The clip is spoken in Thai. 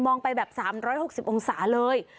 ไปแบบ๓๖๐องศาเลย